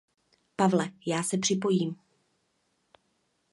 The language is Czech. Pavle, já se připojím.